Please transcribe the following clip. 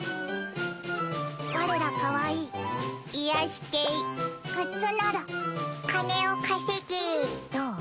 我らかわいい癒やし系グッズなる金を稼げどう？